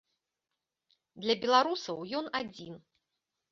Для беларусаў ён адзін.